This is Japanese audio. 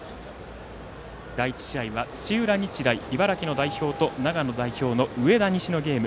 第１試合は土浦日大茨城の代表と長野代表の上田西のゲーム。